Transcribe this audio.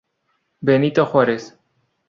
Benito Juárez".